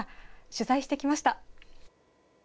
取材してきました。